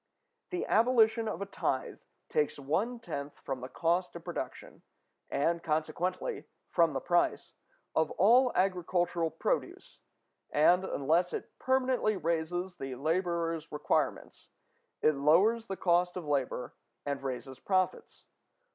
The abolition of a tithe takes one tenth from the cost of production, and consequently from the price, of all agricultural produce; and, unless it permanently raises the laborer's requirements, it lowers the cost of labor and raises profits.